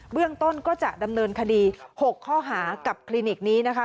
เรื่องต้นก็จะดำเนินคดี๖ข้อหากับคลินิกนี้นะคะ